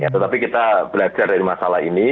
tetapi kita belajar dari masalah ini